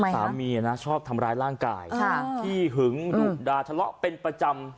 สามีนะชอบทำร้ายร่างกายขี้หึงดุดาทะเลาะเป็นประจำ